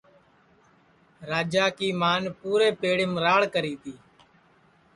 راجا کی مان پُورے پیڑیم راڑ کری تی